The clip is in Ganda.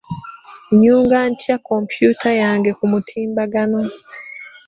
Nnyunga ntya kompyuta yange ku mutimbagano?